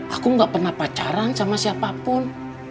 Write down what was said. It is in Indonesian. aku gak pernah pacaran sama siapapun